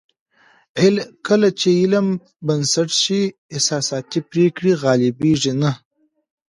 کله چې علم بنسټ شي، احساساتي پرېکړې غالبېږي نه.